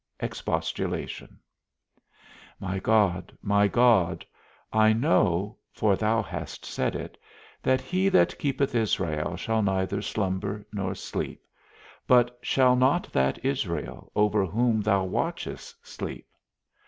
XV. EXPOSTULATION. My God, my God, I know (for thou hast said it) that he that keepeth Israel shall neither slumber nor sleep: but shall not that Israel, over whom thou watchest, sleep?